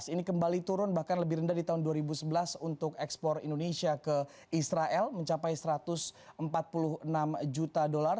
ini kembali turun bahkan lebih rendah di tahun dua ribu sebelas untuk ekspor indonesia ke israel mencapai satu ratus empat puluh enam juta dolar